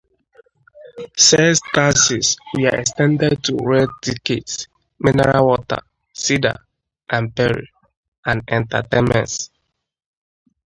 Sales taxes were extended to rail tickets, mineral water, cider and perry, and entertainments.